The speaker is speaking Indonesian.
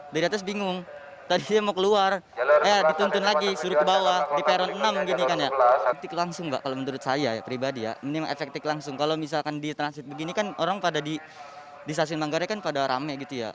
di transit begini kan orang pada di stasiun manggarai kan pada rame gitu ya